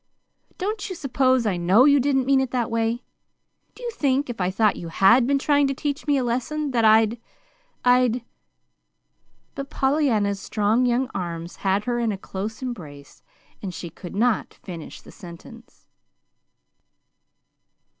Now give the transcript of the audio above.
"Don't you suppose I know you didn't mean it that way? Do you think, if I thought you HAD been trying to teach me a lesson that I'd I'd " But Pollyanna's strong young arms had her in a close embrace, and she could not finish the sentence.